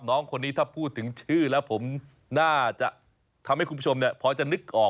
น้องคนนี้ถ้าพูดถึงชื่อแล้วผมน่าจะทำให้คุณผู้ชมพอจะนึกออก